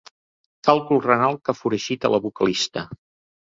Càlcul renal que foragita la vocalista.